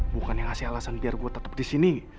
bukannya ngasih alasan biar gue tetep disini